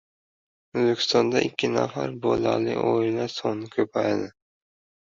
O‘zbekistonda ikki nafar bolali oilalar soni ko‘p